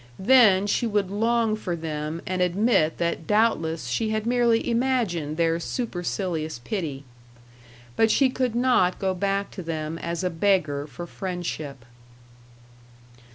Then she would long for them and admit that doubtless she had merely imagined their supercilious pity. But she could not go back to them as a beggar for friendship.